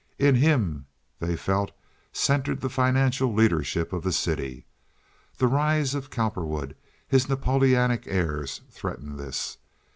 In him, they felt, centered the financial leadership of the city. The rise of Cowperwood, his Napoleonic airs, threatened this.